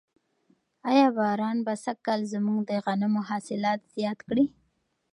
آیا باران به سږکال زموږ د غنمو حاصلات زیات کړي؟